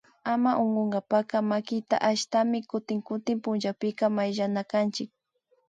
Ama unkunkapacka makita ashtami kutin kutin pullapika mayllanakanchik